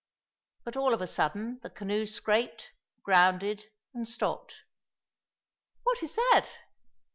But all of a sudden the canoe scraped, grounded, and stopped. "What is that?"